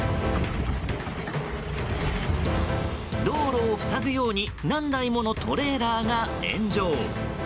道路を塞ぐように何台ものトレーラーが炎上。